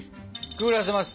くぐらせます。